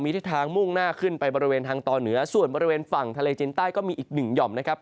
ทิศทางมุ่งหน้าขึ้นไปบริเวณทางตอนเหนือส่วนบริเวณฝั่งทะเลจินใต้ก็มีอีกหนึ่งหย่อมนะครับ